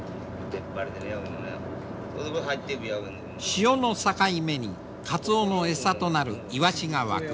潮の境目にカツオの餌となるイワシが湧く。